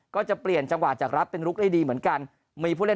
ก็จะเปลี่ยนจังหวะจากรับเป็นลุกได้ดีเหมือนกันมีผู้เล่น